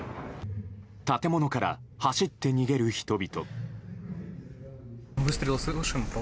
建物から走って逃げる人々。